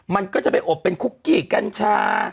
มันก็จะไปอบเป็นคุกกี้กัญชา